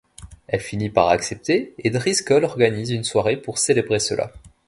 Elle finit par accepter et Driscoll organise une soirée pour célébrer cela.